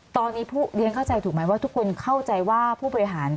ตอนนี้เรียนเข้าใจถูกไหมว่าทุกคนเข้าใจว่าผู้บริหาร